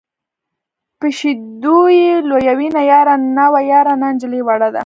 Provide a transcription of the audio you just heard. په شیدو یې لویوینه یاره نا وه یاره نا نجلۍ وړه ده.